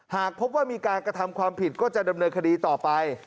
หากพบว่ามีการกระทำความผิดก็จะดำเนินคดีต่อไป